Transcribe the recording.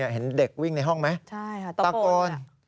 เห็นเด็กวิ่งในห้องไหมตะโกนใช่ค่ะตะโกน